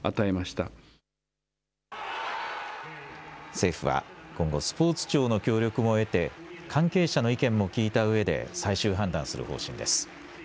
政府は今後、スポーツ庁の協力も得て関係者の意見も聞いたうえで最終判断する方針です。